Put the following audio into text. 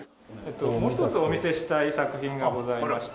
もう一つお見せしたい作品がございまして。